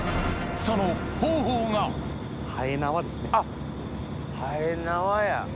その方法がはえ縄や。